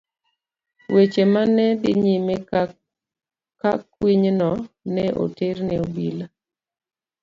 Weche ma ne dhi nyime ka kwinyno ne oter ne obila.